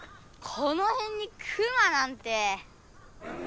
このへんにクマなんて。